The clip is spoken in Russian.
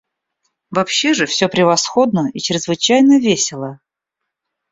Вообще же всё превосходно и чрезвычайно весело.